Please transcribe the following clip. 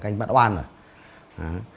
các anh bắt oan rồi